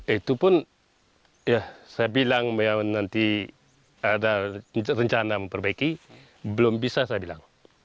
itu pun ya saya bilang bahwa nanti ada rencana memperbaiki belum bisa saya bilang